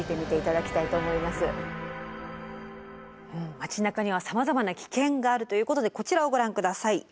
街なかにはさまざまな危険があるということでこちらをご覧ください。